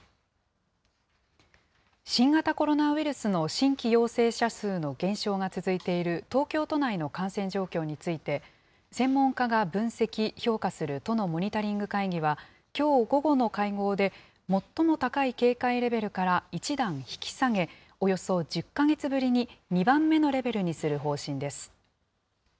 新型コロナウイルスの新規陽性者数の減少が続いている東京都内の感染状況について、専門家が分析・評価する都のモニタリング会議は、きょう午後の会合で、最も高い警戒レベルから１段引き下げ、およそ１０か月ぶりに２番目のレベルにする方針です。